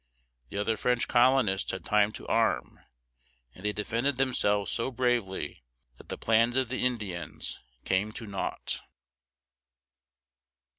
The other French colonists had time to arm, and they defended themselves so bravely that the plans of the Indians came to naught.